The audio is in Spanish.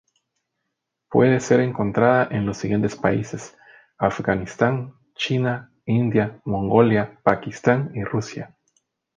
Puede ser encontrada en los siguientes países: Afganistán, China, India, Mongolia, Pakistán y Rusia.